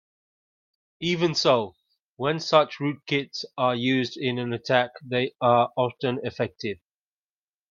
Even so, when such rootkits are used in an attack, they are often effective.